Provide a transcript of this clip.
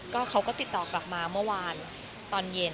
เขาก็ติดต่อกลับมาเมื่อวานตอนเย็น